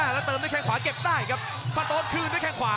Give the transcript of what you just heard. แล้วเติมด้วยแข้งขวาเก็บได้ครับสโต๊ดคืนด้วยแค่งขวา